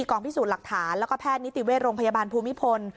กองพิสูจน์หลักฐานแล้วก็แพทย์นิติเวชโรงพยาบาลภูมิพล